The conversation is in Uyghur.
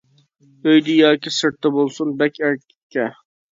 ئۆيدە ياكى سىرتتا بولسۇن بەك ئەركە.